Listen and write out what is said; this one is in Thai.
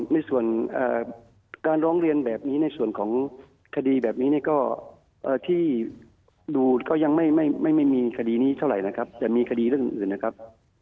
ในส่วนการร้องเรียนแบบนี้ในส่วนของคดีแบบนี้ก็ที่ดูก็ยังไม่มีคดีนี้เท่าไหร่นะครับแต่มีคดีเรื่องอื่นนะครับ